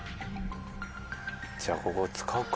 じゃあここ。